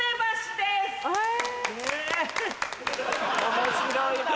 面白いな。